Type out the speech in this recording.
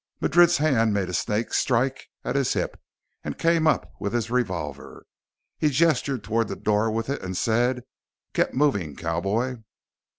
Madrid's hand made a snake strike at his hip and came up with his revolver. He gestured toward the door with it and said, "Get moving, cowboy."